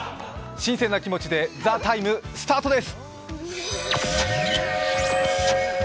新鮮な気持ちで「ＴＨＥＴＩＭＥ，」スタートです。